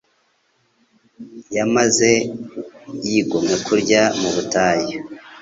yamaze yigomwe kurya mu butayu.